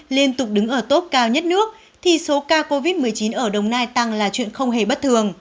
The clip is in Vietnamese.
liên tục đứng ở tốt cao nhất nước thì số ca covid một mươi chín ở đồng nai tăng là chuyện không hề bất thường